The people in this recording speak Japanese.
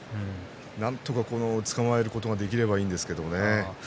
なんとかつかまえることができればいいんですけれど。